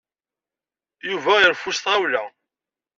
Yuba ireffu s tɣawla.